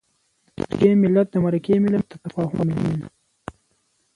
د جرګې ملت، د مرکې ملت، د تفاهم ملت.